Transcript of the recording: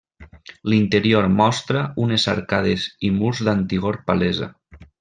L'interior mostra unes arcades i murs d'antigor palesa.